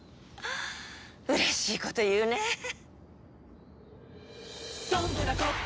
うれしいこと言うねえ。